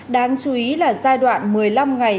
đáng chú ý là giai đoạn một mươi năm ngày